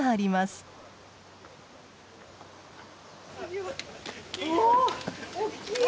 うお大きい！